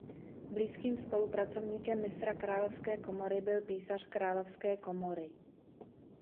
Blízkým spolupracovníkem mistra královské komory byl písař královské komory.